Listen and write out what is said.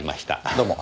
どうも。